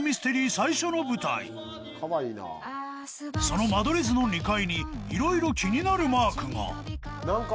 最初の舞台その間取り図の２階にいろいろ気になるマークが！